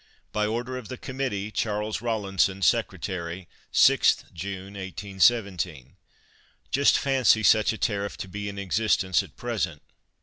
By Order of the Committee, CHARLES ROWLINSON, Secretary. 6_th_ June, 1817. Just fancy such a tariff to be in existence at present!